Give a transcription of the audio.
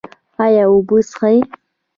ایا اوبه څښئ؟